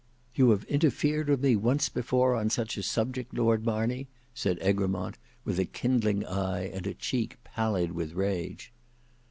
"You have interfered with me once before on such a subject. Lord Marney," said Egremont, with a kindling eye and a cheek pallid with rage.